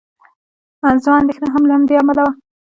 زما اندېښنه هم له همدې امله وه.